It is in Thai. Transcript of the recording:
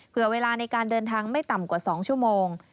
เวลาในการเดินทางไม่ต่ำกว่า๒ชั่วโมง